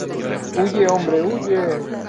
Huye, hombre, huye.